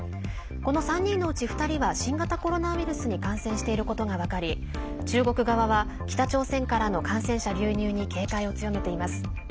この３人のうち２人は新型コロナウイルスに感染していることが分かり中国側は北朝鮮からの感染者流入に警戒を強めています。